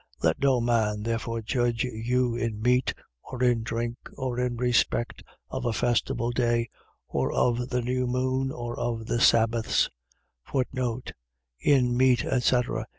2:16. Let no man therefore judge you in meat or in drink or in respect of a festival day or of the new moon or of the sabbaths, In meat, etc. ..